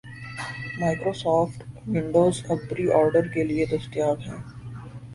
Microsoft Windows اب preorder کے لیے دستیاب ہے